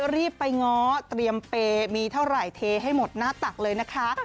รีบไปง้อเตรียมเปย์มีเท่าไหร่เทให้หมดหน้าตักเลยนะคะ